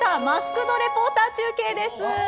マスクド・レポーター中継です。